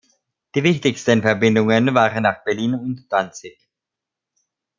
Die wichtigsten Verbindungen waren nach Berlin und Danzig.